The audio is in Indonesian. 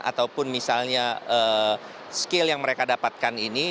ataupun misalnya skill yang mereka dapatkan ini